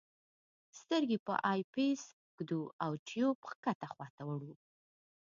سترګې په آی پیس ږدو او ټیوب ښکته خواته وړو.